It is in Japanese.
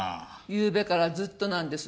ゆうべからずっとなんです。